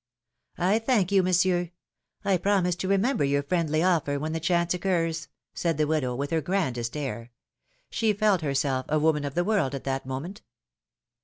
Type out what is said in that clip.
^^ I thank you. Monsieur. I promise to remember your friendly offer when the chance occurs said the widow, with her grandest air. She felt herself a woman of the world at that moment.